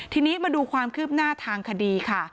ทีนี้มาดูความคืบหน้าทางคดีค่ะ